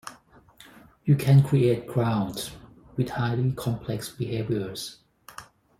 You can create crowds with highly complex behaviors.